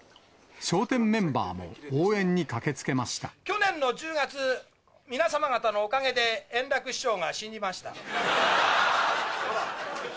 笑点メンバーも応援に駆けつけま去年の１０月、皆様方のおかげで、円楽師匠が死にました。